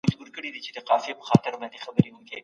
د ښځي په کڅوڼي کي څه دي؟